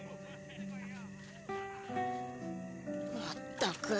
まったく。